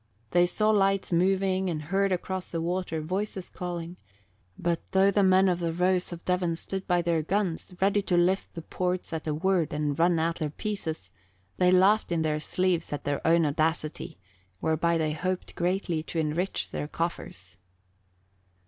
They saw lights moving and heard across the water voices calling; but though the men of the Rose of Devon stood by their guns, ready to lift the ports at a word and run out their pieces, they laughed in their sleeves at their own audacity whereby they hoped greatly to enrich their coffers.